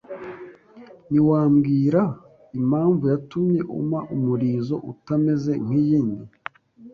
ntiwambwira impamvu yatumye umpa umulizo utameze nk'iyindi